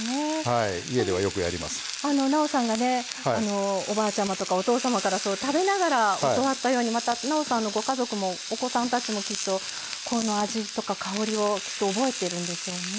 なおさんがねおばあちゃまとかお父様から食べながら教わったようにまたなおさんのご家族もお子さんたちもきっとこの味とか香りをきっと覚えてるんでしょうね。